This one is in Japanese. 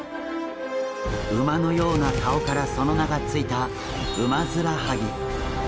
馬のような顔からその名が付いたウマヅラハギ。